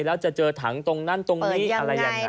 แล้วจะเจอถังตรงนั้นตรงนี้อะไรยังไง